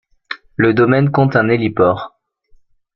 Le domaine compte un héliport.